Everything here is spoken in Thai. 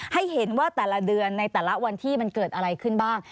ให้เห็นว่าแต่ละเดือนในแต่ละวันที่มันเกิดอะไรขึ้นบ้าง